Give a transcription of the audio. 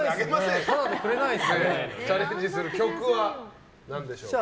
チャレンジする曲は何でしょう？